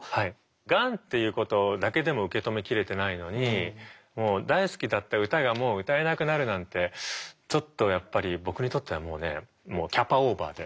がんっていうことだけでも受け止めきれてないのにもう大好きだった歌がもう歌えなくなるなんてちょっとやっぱり僕にとってはもうねもうキャパオーバーで。